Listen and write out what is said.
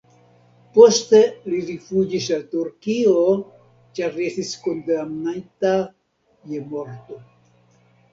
Poste li rifuĝis al Turkio, ĉar li estis kondamnita je morto.